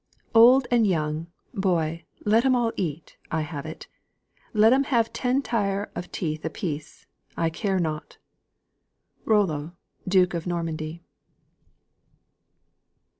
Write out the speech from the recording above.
"Old and young, boy, let 'em all eat, I have it; Let 'em have ten tire of teeth a piece, I care not. ROLLO, DUKE OF NORMANDY.